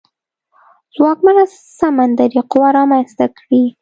ځواکمنه سمندري قوه رامنځته کړي.